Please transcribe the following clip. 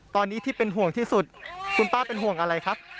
ตอนนี้ที่เป็นห่วงที่สุดคุณป้าเป็นห่วงอะไรครับ